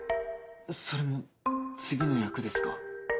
それも次の役ですか？